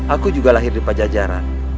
aku juga lahir di pajajaran